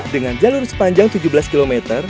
dengan jalur sepanjang tujuh belas km